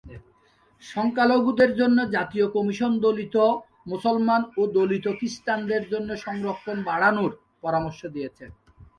সংখ্যালঘুদের জন্য জাতীয় কমিশন দলিত মুসলমান ও দলিত খ্রিস্টানদের জন্য সংরক্ষণ বাড়ানোর পরামর্শ দিয়েছে।